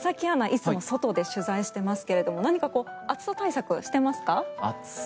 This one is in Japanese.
いつも外で取材していますが何か暑さ対策してますか？